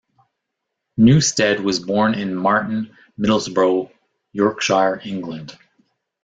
Newstead was born in Marton, Middlesbrough, Yorkshire, England.